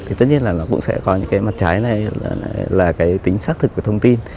thì tất nhiên là nó cũng sẽ có những cái mặt trái này là cái tính xác thực của thông tin